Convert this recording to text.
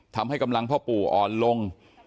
ทำให้กำลังพ่อปู่อ่อนลง